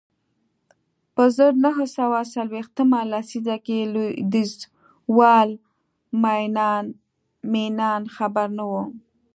په زر نه سوه څلویښتمه لسیزه کې لوېدیځوال مینان خبر نه و